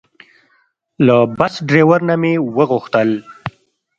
له بس ډریور نه مې وغوښتل.